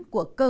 của cơ hội